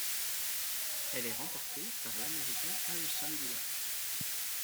Elle est remportée par l'Américain Harrison Dillard.